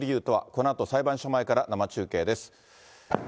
このあと、裁判所前から生中継です。